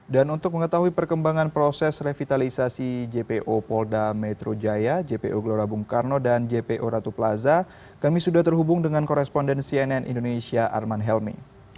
dan untuk mengetahui perkembangan proses revitalisasi jpo polda metro jaya jpo gelora bung karno dan jpo ratu plaza kami sudah terhubung dengan koresponden cnn indonesia arman helmi